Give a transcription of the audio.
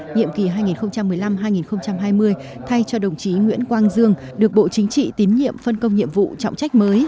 nhiệm kỳ hai nghìn một mươi năm hai nghìn hai mươi thay cho đồng chí nguyễn quang dương được bộ chính trị tín nhiệm phân công nhiệm vụ trọng trách mới